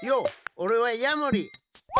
おれはヤモリ。